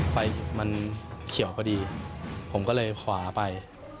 ไฟมันเขียวพอดีผมก็เลยขวาไป